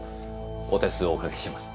お手数をおかけします。